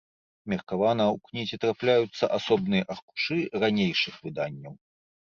Меркавана ў кнізе трапляюцца асобныя аркушы ранейшых выданняў.